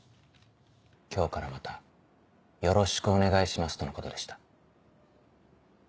今日からまたよろしくお願いしますとのことでした。